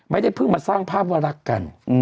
ไม่ได้เพิ่งมาสร้างภาพว่ารักกัน